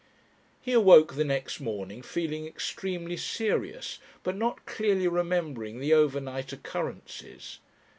He awoke the next morning feeling extremely serious, but not clearly remembering the overnight occurrences.